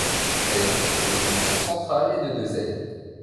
Elle est constituée d'une tour centrale et de deux ailes.